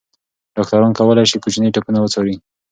ډاکټران کولی شي کوچني ټپونه وڅاري.